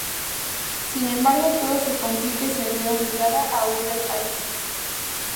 Sin embargo, todo se complica y se ve obligada a huir del país.